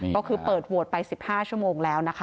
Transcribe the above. ก็คือเปิดโหวตไป๑๕ชั่วโมงแล้วนะคะ